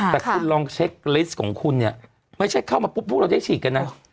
แต่คุณลองเช็คลิสต์ของคุณเนี่ยไม่ใช่เข้ามาปุ๊บพวกเราได้ฉีดกันนะ